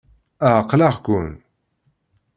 Ɛeqleɣ-ken.